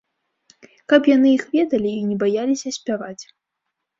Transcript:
Каб яны іх ведалі і не баяліся спяваць.